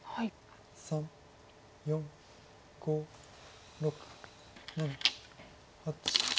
３４５６７８。